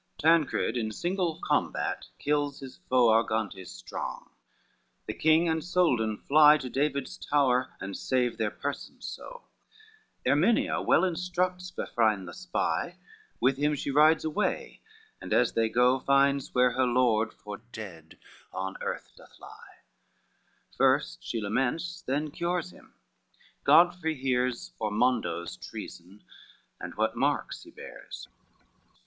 Tancred in single combat kills his foe, Argantes strong: the king and Soldan fly To David's tower, and save their persons so; Erminia well instructs Vafrine the spy, With him she rides away, and as they go Finds where her lord for dead on earth doth lie; First she laments, then cures him: Godfrey hears Ormondo's treason, and what marks he bears.